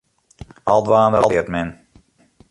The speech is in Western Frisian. Al dwaande leart men.